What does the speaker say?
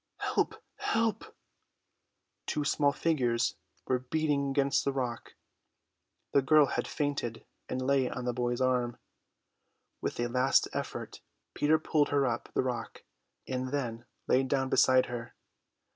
"Help, help!" Two small figures were beating against the rock; the girl had fainted and lay on the boy's arm. With a last effort Peter pulled her up the rock and then lay down beside her.